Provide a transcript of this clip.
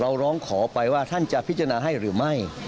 ร้องขอไปว่าท่านจะพิจารณาให้หรือไม่